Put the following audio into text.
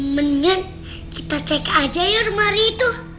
mendingan kita cek aja ya lemari itu